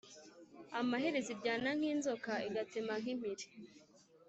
amaherezo iryana nk’inzoka, igatema nk’impiri